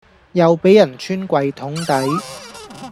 又俾人穿櫃桶底